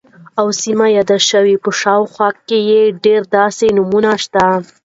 او سیمه یاده شوې، په شاوخوا کې یې ډیر داسې نومونه شته،